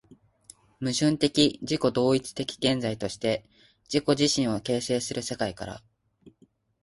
矛盾的自己同一的現在として自己自身を形成する世界から、